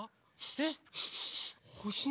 えっ